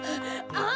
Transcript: あっ？